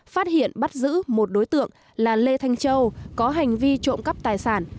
phát hiện bắt giữ một đối tượng là lê thanh châu có hành vi trộm cắp tài sản